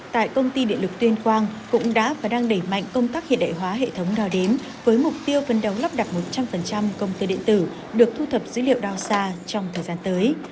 tại công ty điện lực tuyên quang cũng đã và đang đẩy mạnh công tác hiện đại hóa hệ thống đo đếm với mục tiêu phân đấu lắp đặt một trăm linh công tơ điện tử được thu thập dữ liệu đo xa trong thời gian tới